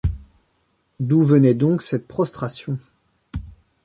D’où venait donc cette prostration